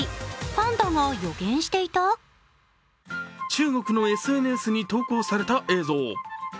中国のＳＮＳに投稿された映像。